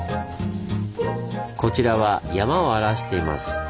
こちらは山を表しています。